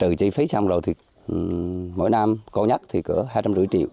trừ chi phí xong rồi thì mỗi năm có nhất thì cỡ hai trăm năm mươi triệu